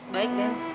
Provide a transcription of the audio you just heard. baik dan permisi